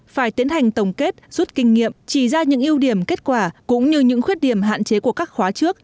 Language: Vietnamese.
phải tiến hành tổng kết rút kinh nghiệm chỉ ra những ưu điểm kết quả cũng như những khuyết điểm hạn chế của các khóa trước